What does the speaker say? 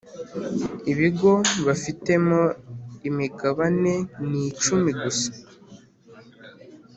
ibigo bafitemo imigabaneni icumi gusa